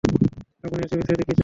আপনি এরচেয়ে বিস্তারিত কী চান?